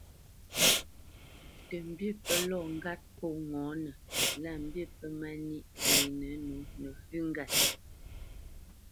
Tə mbî pə́ lɔ ŋgàt pfó ŋɔ̌nə lâ mbî pə́ mà nîʼ wenə nǒ nəfʉ́ ŋgât.